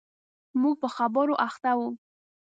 موږ په خبرو اخته و.